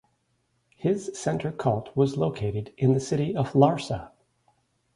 His center cult was located in the city of Larsa.